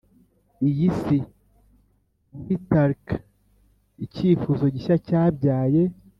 iyi si muri tarquin icyifuzo gishya cyabyaye,